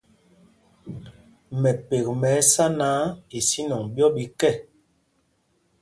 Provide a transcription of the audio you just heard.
Mɛpek mɛ ɛsá náǎ, isínɔŋ ɓyɔ́ ɓi kɛ.